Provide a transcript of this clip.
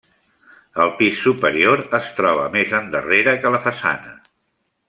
El pis superior es troba més endarrere que la façana.